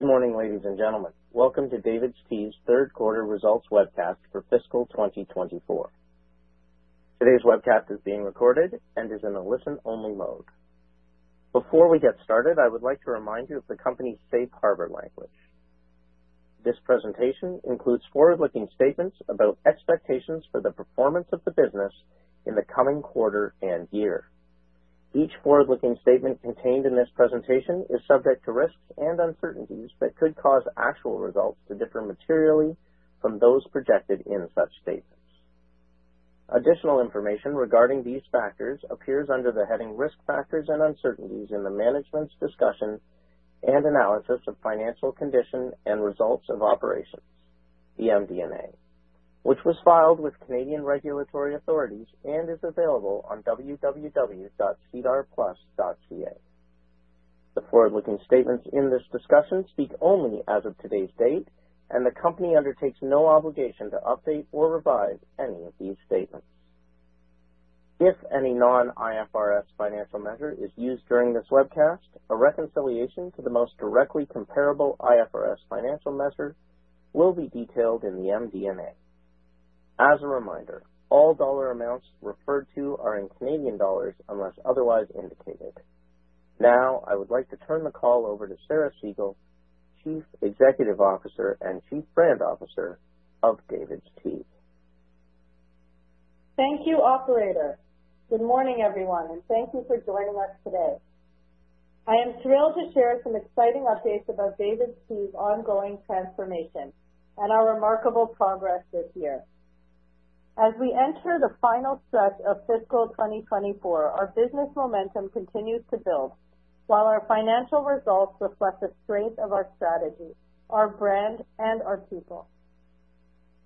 Good morning, ladies and gentlemen. Welcome to DavidsTEA's Third Quarter Results Webcast for Fiscal 2024. Today's webcast is being recorded and is in a listen-only mode. Before we get started, I would like to remind you of the company's safe harbor language. This presentation includes forward-looking statements about expectations for the performance of the business in the coming quarter and year. Each forward-looking statement contained in this presentation is subject to risks and uncertainties that could cause actual results to differ materially from those projected in such statements. Additional information regarding these factors appears under the heading Risk Factors and Uncertainties in the Management's Discussion and Analysis of Financial Condition and Results of Operations, the MD&A, which was filed with Canadian regulatory authorities and is available on www.sedarplus.ca. The forward-looking statements in this discussion speak only as of today's date, and the company undertakes no obligation to update or revise any of these statements. If any non-IFRS financial measure is used during this webcast, a reconciliation to the most directly comparable IFRS financial measure will be detailed in the MD&A. As a reminder, all dollar amounts referred to are in Canadian dollars unless otherwise indicated. Now, I would like to turn the call over to Sarah Segal, Chief Executive Officer and Chief Brand Officer of DavidsTEA. Thank you, Operator. Good morning, everyone, and thank you for joining us today. I am thrilled to share some exciting updates about DavidsTEA's ongoing transformation and our remarkable progress this year. As we enter the final stretch of fiscal 2024, our business momentum continues to build while our financial results reflect the strength of our strategy, our brand, and our people.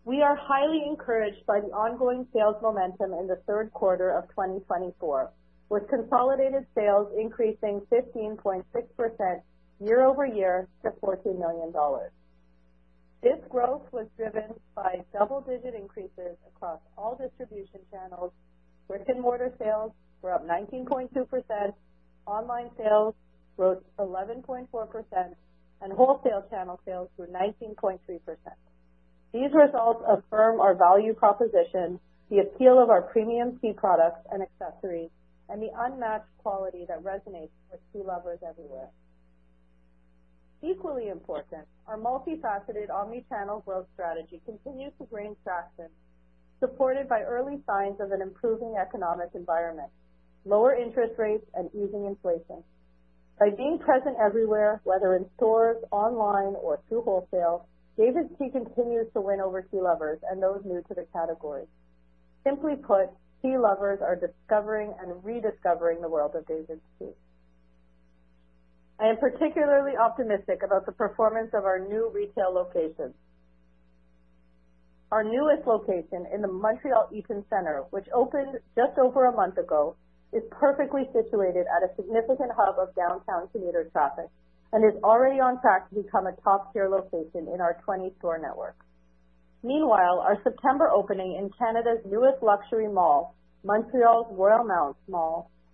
We are highly encouraged by the ongoing sales momentum in the third quarter of 2024, with consolidated sales increasing 15.6% year-over-year to 14 million dollars. This growth was driven by double-digit increases across all distribution channels. Brick-and-mortar sales were up 19.2%, online sales rose 11.4%, and wholesale channel sales grew 19.3%. These results affirm our value proposition, the appeal of our premium tea products and accessories, and the unmatched quality that resonates with tea lovers everywhere. Equally important, our multifaceted omnichannel growth strategy continues to gain traction, supported by early signs of an improving economic environment, lower interest rates, and easing inflation. By being present everywhere, whether in stores, online, or through wholesale, DavidsTEA continues to win over tea lovers and those new to the category. Simply put, tea lovers are discovering and rediscovering the world of DavidsTEA. I am particularly optimistic about the performance of our new retail locations. Our newest location in the Montreal Eaton Centre, which opened just over a month ago, is perfectly situated at a significant hub of downtown commuter traffic and is already on track to become a top-tier location in our 20-store network. Meanwhile, our September opening in Canada's newest luxury mall, Montreal's Royalmount,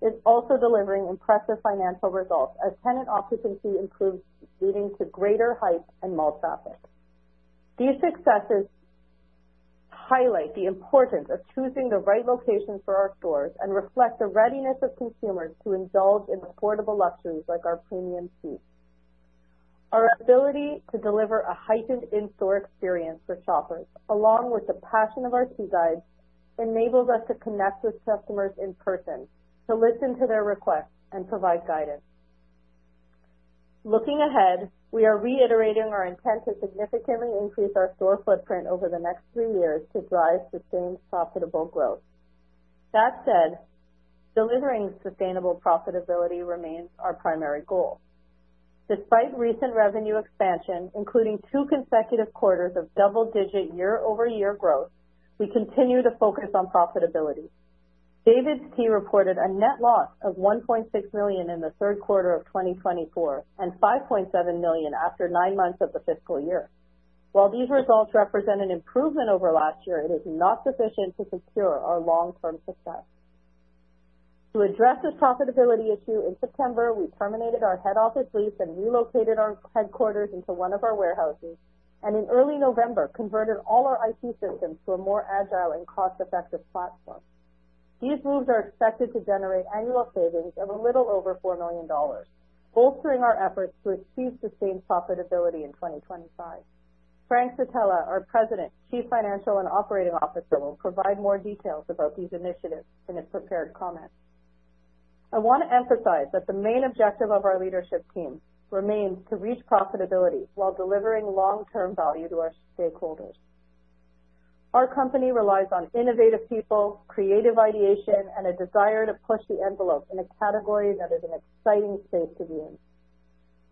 is also delivering impressive financial results as tenant occupancy improves, leading to greater foot and mall traffic. These successes highlight the importance of choosing the right locations for our stores and reflect the readiness of consumers to indulge in affordable luxuries like our premium tea. Our ability to deliver a heightened in-store experience for shoppers, along with the passion of our Tea Guides, enables us to connect with customers in person, to listen to their requests, and provide guidance. Looking ahead, we are reiterating our intent to significantly increase our store footprint over the next three years to drive sustained profitable growth. That said, delivering sustainable profitability remains our primary goal. Despite recent revenue expansion, including two consecutive quarters of double-digit year-over-year growth, we continue to focus on profitability. DavidsTEA reported a net loss of 1.6 million in the third quarter of 2024 and 5.7 million after nine months of the fiscal year. While these results represent an improvement over last year, it is not sufficient to secure our long-term success. To address this profitability issue, in September, we terminated our head office lease and relocated our headquarters into one of our warehouses, and in early November, converted all our IT systems to a more agile and cost-effective platform. These moves are expected to generate annual savings of a little over 4 million dollars, bolstering our efforts to achieve sustained profitability in 2025. Frank Zitella, our President, Chief Financial Officer, and Chief Operating Officer, will provide more details about these initiatives in his prepared comments. I want to emphasize that the main objective of our leadership team remains to reach profitability while delivering long-term value to our stakeholders. Our company relies on innovative people, creative ideation, and a desire to push the envelope in a category that is an exciting space to be in.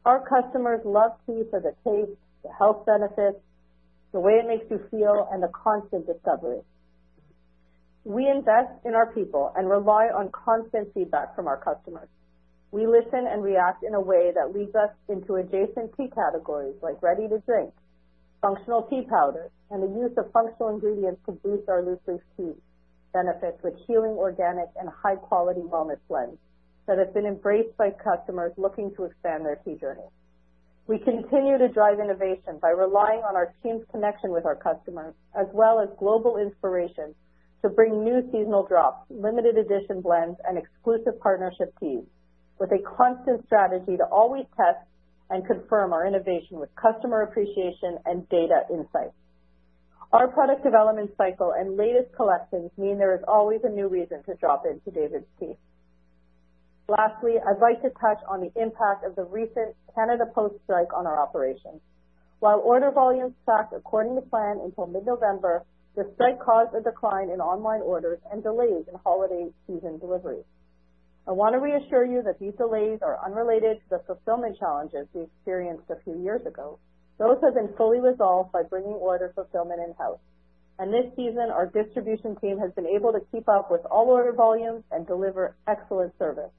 Our customers love tea for the taste, the health benefits, the way it makes you feel, and the constant discovery. We invest in our people and rely on constant feedback from our customers. We listen and react in a way that leads us into adjacent tea categories like ready-to-drink, functional tea powders, and the use of functional ingredients to boost our loose leaf tea benefits with healing organic and high-quality wellness blends that have been embraced by customers looking to expand their tea journey. We continue to drive innovation by relying on our team's connection with our customers, as well as global inspiration to bring new seasonal drops, limited-edition blends, and exclusive partnership teas, with a constant strategy to always test and confirm our innovation with customer appreciation and data insights. Our product development cycle and latest collections mean there is always a new reason to drop into DavidsTEA. Lastly, I'd like to touch on the impact of the recent Canada Post strike on our operations. While order volumes stacked according to plan until mid-November, the strike caused a decline in online orders and delays in holiday season deliveries. I want to reassure you that these delays are unrelated to the fulfillment challenges we experienced a few years ago. Those have been fully resolved by bringing order fulfillment in-house, and this season, our distribution team has been able to keep up with all order volumes and deliver excellent service.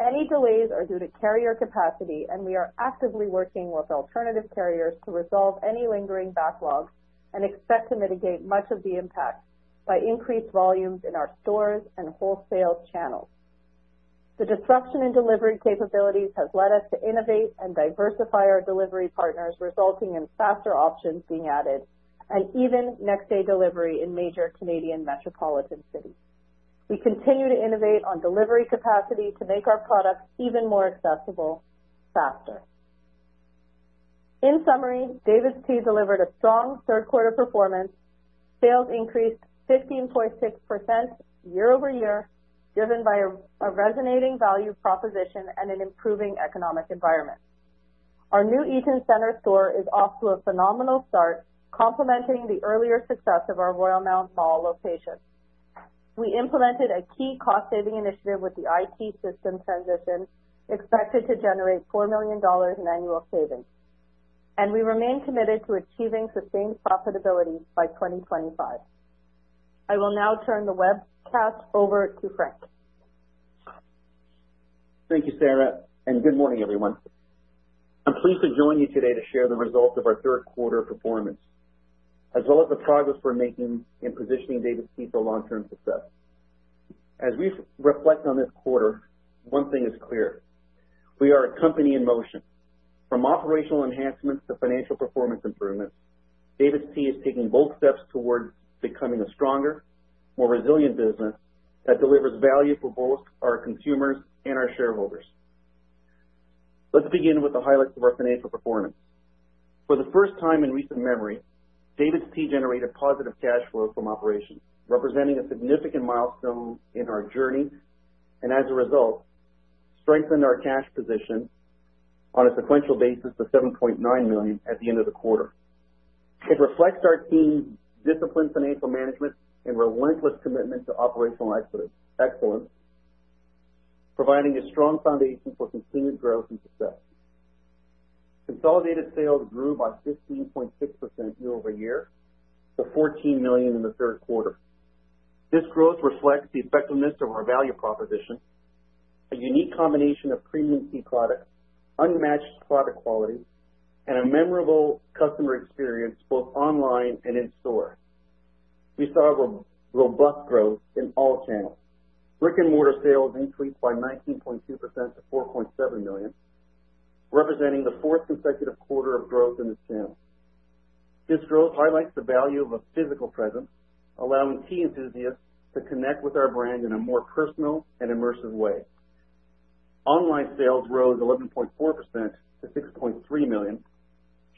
Any delays are due to carrier capacity, and we are actively working with alternative carriers to resolve any lingering backlog and expect to mitigate much of the impact by increased volumes in our stores and wholesale channels. The disruption in delivery capabilities has led us to innovate and diversify our delivery partners, resulting in faster options being added and even next-day delivery in major Canadian metropolitan cities. We continue to innovate on delivery capacity to make our products even more accessible faster. In summary, DavidsTEA delivered a strong third-quarter performance. Sales increased 15.6% year-over-year, driven by a resonating value proposition and an improving economic environment. Our new Eaton Centre store is off to a phenomenal start, complementing the earlier success of our Royalmount location. We implemented a key cost-saving initiative with the IT system transition, expected to generate 4 million dollars in annual savings, and we remain committed to achieving sustained profitability by 2025. I will now turn the webcast over to Frank. Thank you, Sarah, and good morning, everyone. I'm pleased to join you today to share the results of our third quarter performance, as well as the progress we're making in positioning DavidsTEA for long-term success. As we reflect on this quarter, one thing is clear: we are a company in motion. From operational enhancements to financial performance improvements, DavidsTEA is taking bold steps towards becoming a stronger, more resilient business that delivers value for both our consumers and our shareholders. Let's begin with the highlights of our financial performance. For the first time in recent memory, DavidsTEA generated positive cash flow from operations, representing a significant milestone in our journey and, as a result, strengthened our cash position on a sequential basis to 7.9 million at the end of the quarter. It reflects our team's disciplined financial management and relentless commitment to operational excellence, providing a strong foundation for continued growth and success. Consolidated sales grew by 15.6% year-over-year to 14 million in the third quarter. This growth reflects the effectiveness of our value proposition, a unique combination of premium tea products, unmatched product quality, and a memorable customer experience both online and in store. We saw robust growth in all channels. Brick-and-mortar sales increased by 19.2% to 4.7 million, representing the fourth consecutive quarter of growth in this channel. This growth highlights the value of a physical presence, allowing tea enthusiasts to connect with our brand in a more personal and immersive way. Online sales rose 11.4% to 6.3 million,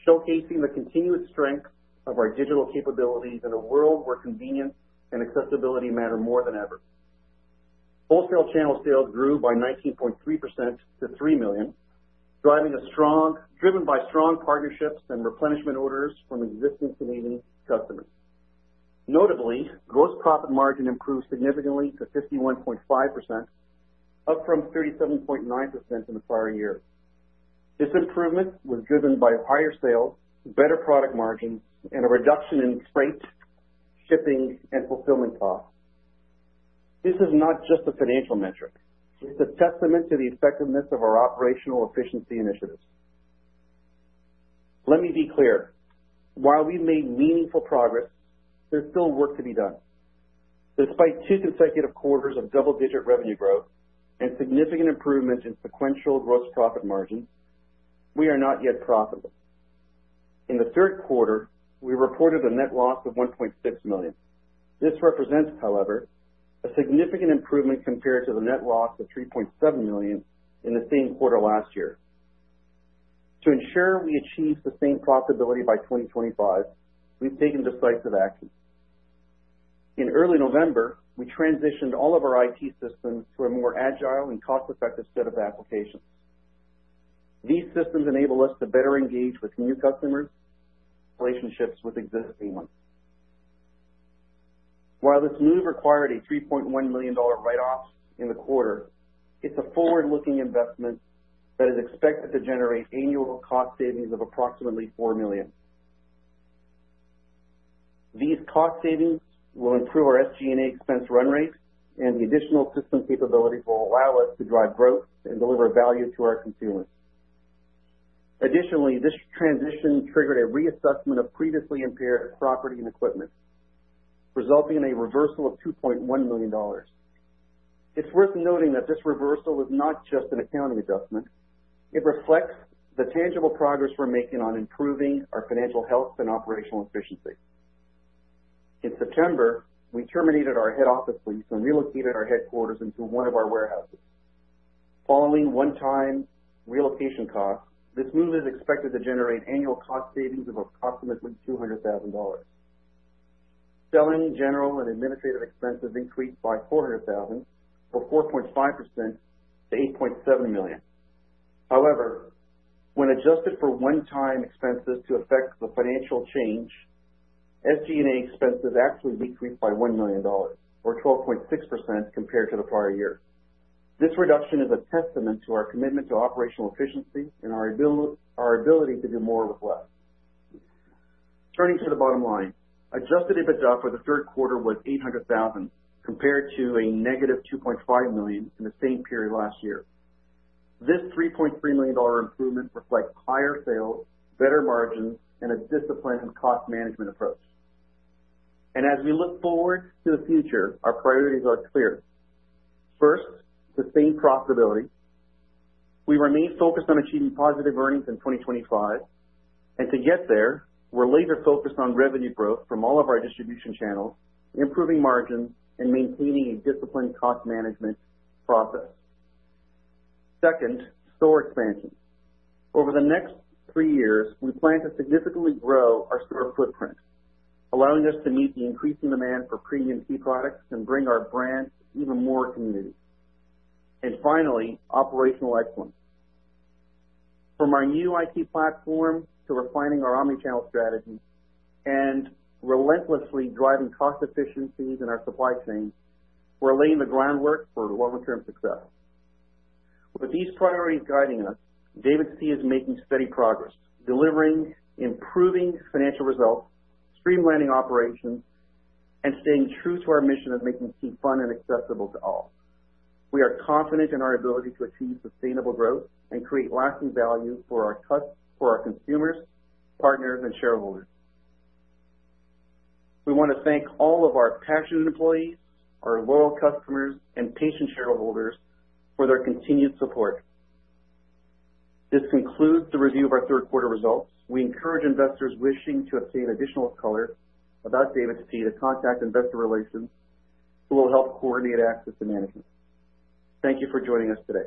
showcasing the continued strength of our digital capabilities in a world where convenience and accessibility matter more than ever. Wholesale channel sales grew by 19.3% to 3 million, driven by strong partnerships and replenishment orders from existing Canadian customers. Notably, gross profit margin improved significantly to 51.5%, up from 37.9% in the prior year. This improvement was driven by higher sales, better product margins, and a reduction in freight, shipping, and fulfillment costs. This is not just a financial metric. It's a testament to the effectiveness of our operational efficiency initiatives. Let me be clear: while we've made meaningful progress, there's still work to be done. Despite two consecutive quarters of double-digit revenue growth and significant improvements in sequential gross profit margins, we are not yet profitable. In the third quarter, we reported a net loss of 1.6 million. This represents, however, a significant improvement compared to the net loss of 3.7 million in the same quarter last year. To ensure we achieve sustained profitability by 2025, we've taken decisive action. In early November, we transitioned all of our IT systems to a more agile and cost-effective set of applications. These systems enable us to better engage with new customers and build relationships with existing ones. While this move required a 3.1 million dollar write-off in the quarter, it's a forward-looking investment that is expected to generate annual cost savings of approximately 4 million. These cost savings will improve our SG&A expense run rate, and the additional system capabilities will allow us to drive growth and deliver value to our consumers. Additionally, this transition triggered a reassessment of previously impaired property and equipment, resulting in a reversal of 2.1 million dollars. It's worth noting that this reversal is not just an accounting adjustment. It reflects the tangible progress we're making on improving our financial health and operational efficiency. In September, we terminated our head office lease and relocated our headquarters into one of our warehouses. Following one-time relocation costs, this move is expected to generate annual cost savings of approximately 200,000 dollars. Selling, general, and administrative expenses increased by 400,000, or 4.5% to 8.7 million. However, when adjusted for one-time expenses to affect the financial change, SG&A expenses actually decreased by 1 million dollars, or 12.6%, compared to the prior year. This reduction is a testament to our commitment to operational efficiency and our ability to do more with less. Turning to the bottom line, Adjusted EBITDA for the third quarter was 800,000, compared to a -2.5 million in the same period last year. This 3.3 million dollar improvement reflects higher sales, better margins, and a disciplined cost management approach. And as we look forward to the future, our priorities are clear. First, sustained profitability. We remain focused on achieving positive earnings in 2025, and to get there, we're laser-focused on revenue growth from all of our distribution channels, improving margins, and maintaining a disciplined cost management process. Second, store expansion. Over the next three years, we plan to significantly grow our store footprint, allowing us to meet the increasing demand for premium tea products and bring our brand to even more communities. And finally, operational excellence. From our new IT platform to refining our omnichannel strategy and relentlessly driving cost efficiencies in our supply chain, we're laying the groundwork for long-term success. With these priorities guiding us, DavidsTEA is making steady progress, delivering improving financial results, streamlining operations, and staying true to our mission of making tea fun and accessible to all. We are confident in our ability to achieve sustainable growth and create lasting value for our consumers, partners, and shareholders. We want to thank all of our passionate employees, our loyal customers, and patient shareholders for their continued support. This concludes the review of our third-quarter results. We encourage investors wishing to obtain additional color about DavidsTEA to contact investor relations, who will help coordinate access to management. Thank you for joining us today.